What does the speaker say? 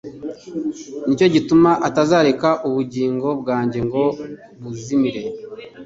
nicyo gituma atazereka ubugingo bwanjye ngo buzimire